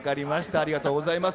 ありがとうございます。